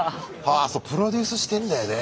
あそうプロデュースしてんだよね。